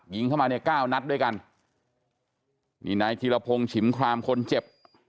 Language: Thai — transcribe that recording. ยิงเข้ามาเนี่ยเก้านัดด้วยกันนี่นายธีรพงศ์ฉิมครามคนเจ็บ